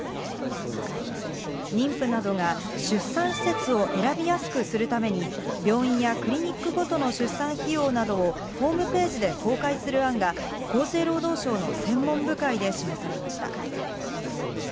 妊婦などが出産施設を選びやすくするために、病院やクリニックごとの出産費用などをホームページで公開する案が、厚生労働省の専門部会で示されました。